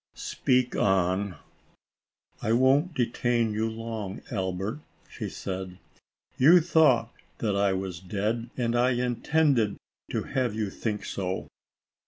"Speak on." " I won't detain you long, Albert," she said. " You thought that I was dead, and I intended to have you think so.